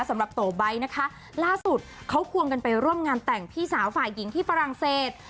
โตไบท์นะคะล่าสุดเขาควงกันไปร่วมงานแต่งพี่สาวฝ่ายหญิงที่ฝรั่งเศส